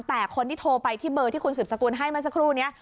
แต่คนที่โทรไปที่เบอร์ที่คุณสืบสกุลให้เมื่อสักครู่นี้